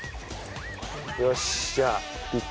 よしじゃあ。